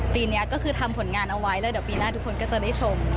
ปีนี้ก็คือทำผลงานเอาไว้แล้วเดี๋ยวปีหน้าทุกคนก็จะได้ชม